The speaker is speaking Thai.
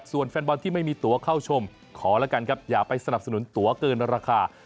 ส่วนแฟนบอลที่ไม่มีตัวเข้าชมขอแล้วกันครับอย่าไปสนับสนุนตัวเกินราคา